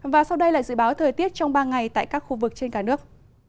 và sau đây là dự báo thời tiết trong ba ngày tại các khu vực trên cả nước